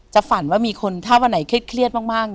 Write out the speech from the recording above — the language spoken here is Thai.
ฝันว่ามีคนถ้าวันไหนเครียดมาก